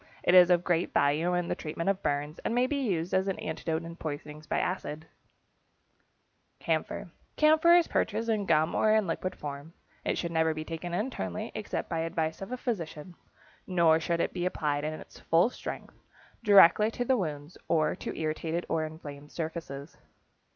It is of great value in the treatment of burns, and may be used as an antidote in poisoning by acids. =Camphor.= Camphor is purchased in gum or in liquid form. It never should be taken internally, except by advice of a physician. Nor should it be applied in its full strength directly to the wounds or to irritated or inflamed surfaces.